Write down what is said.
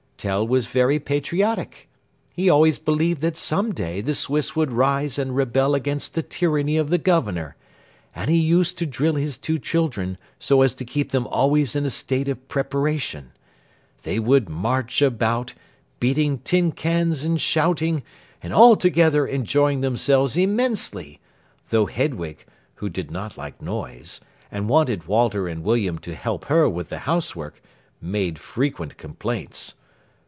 Tell was very patriotic. He always believed that some day the Swiss would rise and rebel against the tyranny of the Governor, and he used to drill his two children so as to keep them always in a state of preparation. They would march about, beating tin cans and shouting, and altogether enjoying themselves immensely, though Hedwig, who did not like noise, and wanted Walter and William to help her with the housework, made frequent complaints.